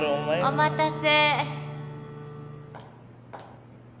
・お待たせ。